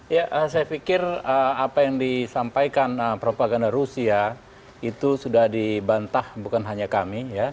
ya saya pikir apa yang disampaikan propaganda rusia itu sudah dibantah bukan hanya kami